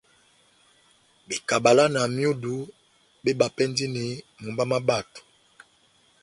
Bekabala na myudu mébapɛndini mumba má bato.